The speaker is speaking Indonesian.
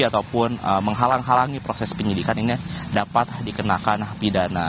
ataupun menghalang halangi proses penyidikan ini dapat dikenakan pidana